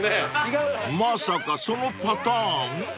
［まさかそのパターン？］